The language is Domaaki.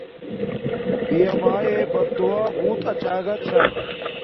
پیا مایے بد دعا بوت اچاگا چھا